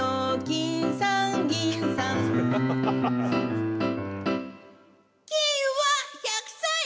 きんは１００歳。